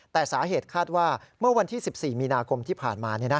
แต่สาเหตุคาดว่าเมื่อวันที่๑๔มีนาคมที่ผ่านมา